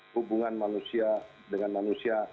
hubungan manusia dengan manusia